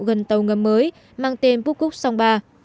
gần tàu ngầm mới mang tên pukuk song ba